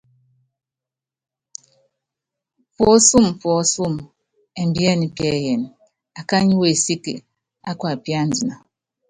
Puɔ́súm puɔ́súm ɛ́mbiɛ́n piɛ́yɛn, akány wesík á kuapíándina.